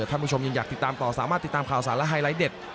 ท่านผู้ชมยังอยากติดตามต่อสามารถติดตามข่าวสารและไฮไลท์เด็ด